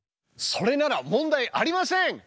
それなら問題ありません。